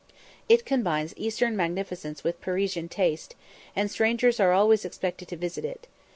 It combines Eastern magnificence with Parisian taste, and strangers are always expected to visit it.